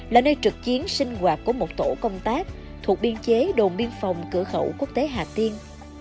là nơi trực chiến sinh hoạt của một tổ công tác thuộc biên chế đồn biên phòng cửa khẩu quốc tế hà tiên